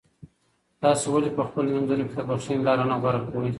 تاسو ولې په خپلو منځونو کې د بښنې لاره نه غوره کوئ؟